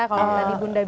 kalau tadi bunda bilang